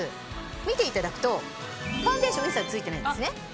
見ていただくとファンデーション一切ついてないんですね。